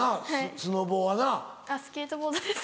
スケートボードです。